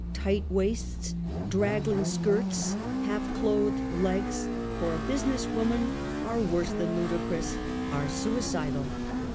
Tight waists, draggling skirts, half clothed legs, for a business woman, are worse than ludicrous — are suicidal.